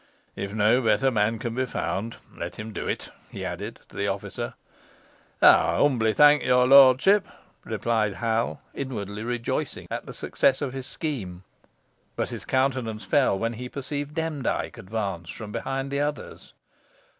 If no better man can be found, let him do it," he added to the officer. "Ey humbly thonk your lortship," replied Hal, inwardly rejoicing at the success of his scheme. But his countenance fell when he perceived Demdike advance from behind the others.